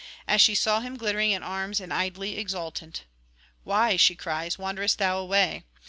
As she saw him glittering in arms and idly exultant: 'Why,' she cries, 'wanderest thou away?